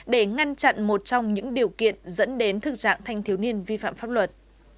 để ngăn chặn một trong những điều kiện dẫn đến thực trạng thanh thiếu niên vi phạm pháp luật